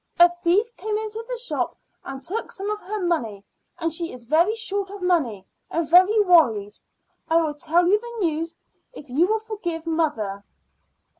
A thief came into the shop and took some of her money, and she is very short of money and very worried. I will tell you the news if you will forgive mother."